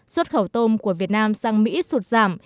xuất khẩu tôm của việt nam sang mỹ sụt giảm